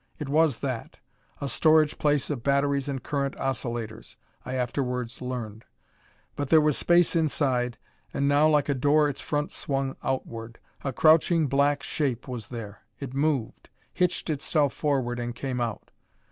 It was that; a storage place of batteries and current oscillators, I afterward learned. But there was space inside, and now like a door its front swung outward. A crouching black shape was there. It moved; hitched itself forward and came out.